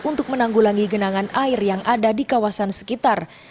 untuk menanggulangi genangan air yang ada di kawasan sekitar